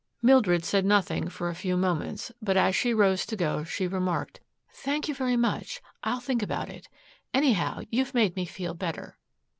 Mildred said nothing for a few moments, but as she rose to go she remarked, "Thank you very much. I'll think about it. Anyhow, you've made me feel better."